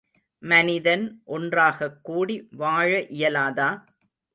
மனிதன் ஒன்றாகக் கூடி வாழ இயலாதா?